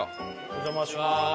お邪魔します。